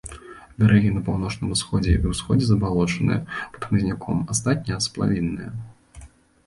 Берагі на паўночным усходзе і ўсходзе забалочаныя, пад хмызняком, астатнія сплавінныя.